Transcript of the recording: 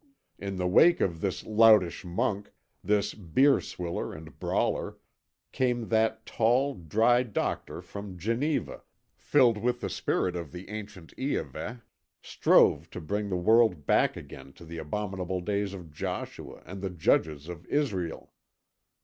In the wake of this loutish monk, this beer swiller and brawler, came that tall, dry doctor from Geneva, who, filled with the spirit of the ancient Iahveh, strove to bring the world back again to the abominable days of Joshua and the Judges of Israel.